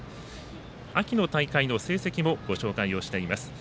秋の大会の成績もご紹介をしています。